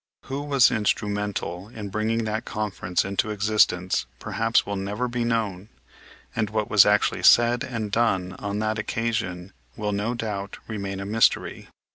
Who was instrumental in bringing that conference into existence perhaps will never be known, and what was actually said and done on that occasion will, no doubt, remain a mystery.